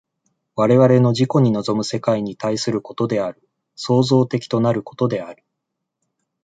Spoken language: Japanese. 我々の自己に臨む世界に対することである、創造的となることである。